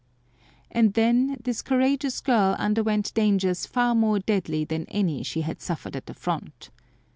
And then this courageous girl underwent dangers far more deadly than any she had suffered at the front.